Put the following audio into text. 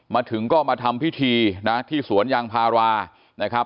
มาถึงก็มาทำพิธีที่สวนยังภารา